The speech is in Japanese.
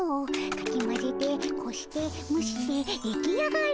かきまぜてこしてむして出来上がる。